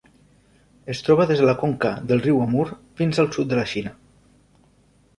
Es troba des de la conca del riu Amur fins al sud de la Xina.